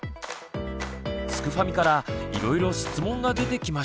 すくファミからいろいろ質問が出てきました。